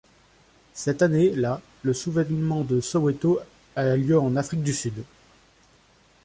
Cette année, là, le Soulèvement de Soweto a lieu en Afrique du Sud.